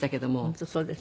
本当そうですよね。